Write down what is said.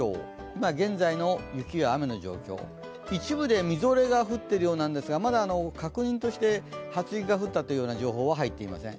今現在の雪や雨の状況、一部でみぞれが降っているようですがまだ確認として、初雪が降ったという情報は入っていません。